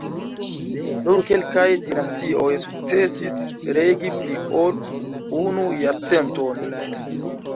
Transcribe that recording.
Nur kelkaj dinastioj sukcesis regi pli ol unu jarcenton.